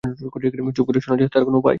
চুপ করে শোনা ছাড়া তার আর কোন উপায় ছিল না।